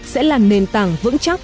sẽ là nền tảng vững chắc